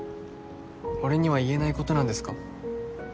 俺には言えないことなんですか？